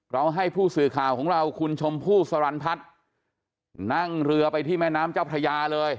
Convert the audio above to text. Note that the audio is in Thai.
ให้ผู้สื่อข่าวของเราคุณชมพู่สรรพัฒน์นั่งเรือไปที่แม่น้ำเจ้าพระยาเลย